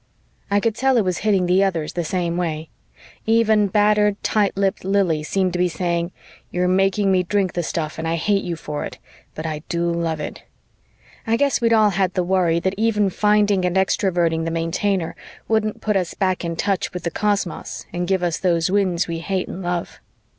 I could tell it was hitting the others the same way. Even battered, tight lipped Lili seemed to be saying, you're making me drink the stuff and I hate you for it, but I do love it. I guess we'd all had the worry that even finding and Extroverting the Maintainer wouldn't put us back in touch with the cosmos and give us those Winds we hate and love.